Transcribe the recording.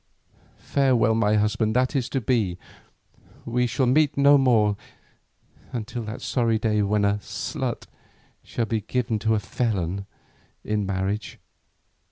Farewell my husband that is to be. We shall meet no more till that sorry day when a 'slut' shall be given to a 'felon' in marriage.